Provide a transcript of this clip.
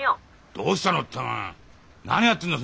どうしたのってお前何やってんだ？